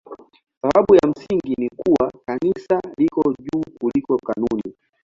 Sababu ya msingi ni kuwa Kanisa liko juu kuliko kanuni.